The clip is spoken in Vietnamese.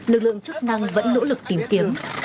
lực lượng chức năng vẫn nỗ lực tìm kiếm